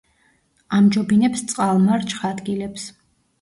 ამჯობინებს წყალმარჩხ ადგილებს.